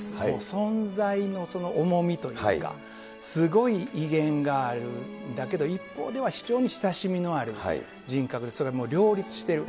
存在のその重みというか、すごい威厳がある、だけど一方では非常に親しみのある人格、それも両立している。